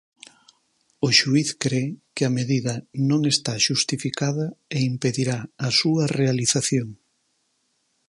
O xuíz cre que a medida non está xustificada e impedirá a súa realización.